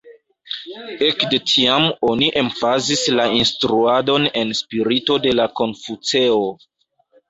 Ekde tiam oni emfazis la instruadon en spirito de la Konfuceo.